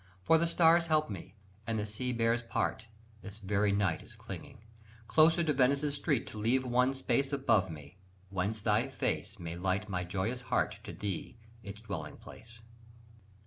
For the stars help me, and the sea bears part; The very night is clinging Closer to Venice' streets to leave one space Above me, whence thy face May light my joyous heart to thee its dwelling place.